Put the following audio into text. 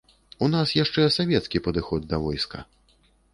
У нас яшчэ савецкі падыход да войска.